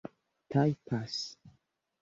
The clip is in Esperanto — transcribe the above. tajpas